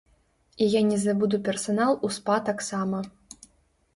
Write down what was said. І я не забуду персанал у спа таксама.